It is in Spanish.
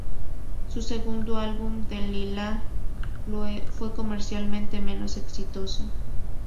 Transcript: Su segundo álbum, "Delilah Blue," fue comercialmente menos exitoso.